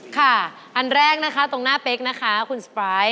อันแรกนะคะตรงหน้าเป๊กนะคะคุณสปาย